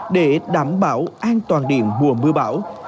để đảm bảo an toàn điện mùa mưa bão